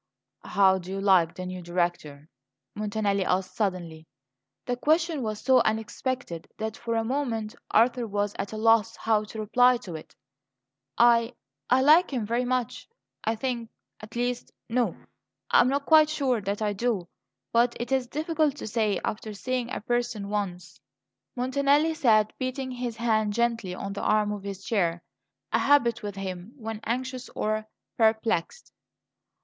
"How do you like the new Director?" Montanelli asked suddenly. The question was so unexpected that, for a moment, Arthur was at a loss how to reply to it. "I I like him very much, I think at least no, I am not quite sure that I do. But it is difficult to say, after seeing a person once." Montanelli sat beating his hand gently on the arm of his chair; a habit with him when anxious or perplexed.